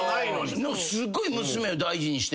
すっごい娘を大事にしてるみたいな。